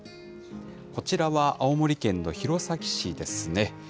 こちらは青森県の弘前市ですね。